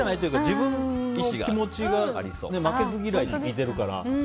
自分の気持ちが負けず嫌いって聞いてるから。